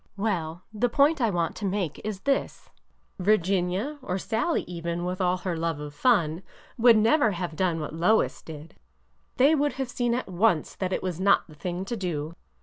'' Well,— the point I want to make is this: Virginia — or Sallie, even, with all her love of fun— would never have done what Lois did. They would have seen at once that it was not the thing to do.